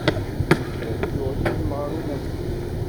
Ad dduɣ yid-m ɣer unafag.